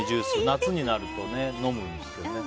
夏になると飲むんですよね。